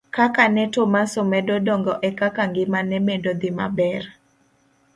Kaka ne Tomaso medo dongo ekaka ngima ne medo dhi maber.